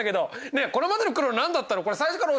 ねえこれまでの苦労何だったの？